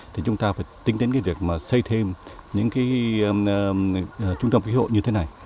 thì chúng ta phải tính đến cái việc mà xây thêm những cái trung tâm cứu hộ như thế này